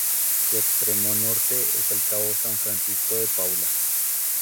Su extremo norte es el cabo San Francisco de Paula.